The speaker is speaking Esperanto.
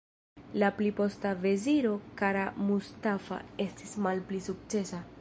La pli posta veziro "Kara Mustafa" estis malpli sukcesa.